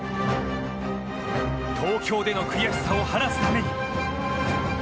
東京での悔しさを晴らすために。